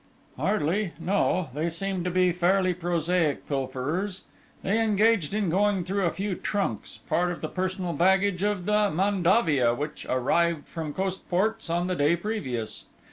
"Hardly! No, they seem to be fairly prosaic pilferers. They engaged in going through a few trunks part of the personal baggage of the Mandavia which arrived from Coast ports on the day previous.